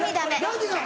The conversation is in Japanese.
何が？